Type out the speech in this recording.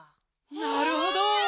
なるほど。